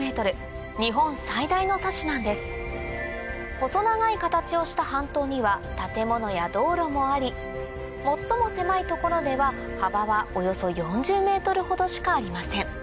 細長い形をした半島には建物や道路もあり最も狭い所では幅はおよそ４０ｍほどしかありません